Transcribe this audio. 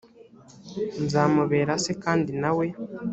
nzamubera se kandi na we